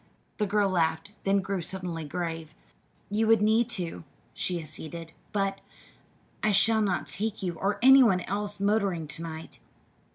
The girl laughed, then grew suddenly grave. "You would need to," she acceded; "but I shall not take you or any one else motoring to night."